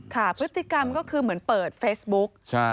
ค่ะพฤติกรรมก็คือเหมือนเปิดเฟซบุ๊ก